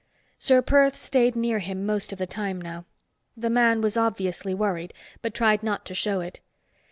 Ser Perth stayed near him most of the time now. The man was obviously worried, but tried not to show it.